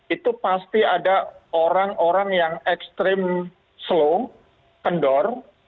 itu pasti ada orang orang yang ekstrim slow kendor